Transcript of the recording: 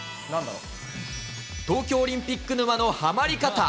東京オリンピック沼のハマり方。